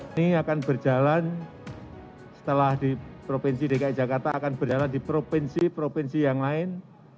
ini akan berjalan setelah di provinsi dki jakarta akan berjalan di provinsi provinsi yang lain